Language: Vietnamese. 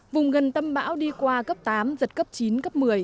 vùng gần tâm bão đi qua cấp tám giật cấp chín cấp một mươi